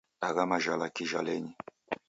Dagha majhala kijhalenyi